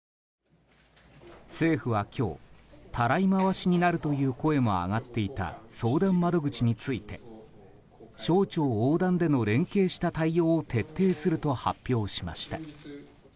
政府は今日たらい回しになるという声も上がっていた相談窓口について省庁横断での連携した対応を徹底すると発表しました。